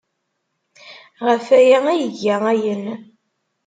Ɣef waya ay iga ayen.